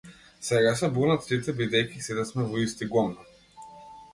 Сега се бунат сите бидејќи сите сме во исти гомна.